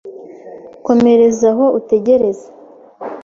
komereza aho utegereze,